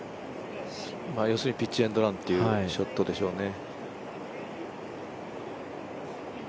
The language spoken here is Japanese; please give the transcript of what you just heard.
要するにピッチ・エンド・ランというショットでしょうね。